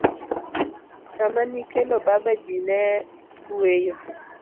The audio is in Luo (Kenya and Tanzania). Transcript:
Sama nikelo baba ji ne gweyo.